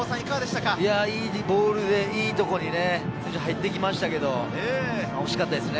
いいボールで、いい所に入ってきましたけれど、惜しかったですね。